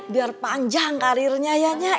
biar panjang karirnya ya